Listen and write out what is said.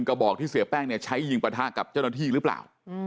กระบอกที่เสียแป้งเนี่ยใช้ยิงประทะกับเจ้าหน้าที่หรือเปล่า